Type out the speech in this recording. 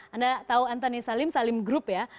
anda tahu antoni salim salim group ya